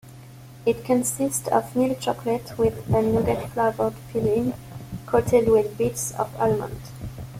It consists of milk chocolate with a nougat-flavoured filling, coated with bits of almond.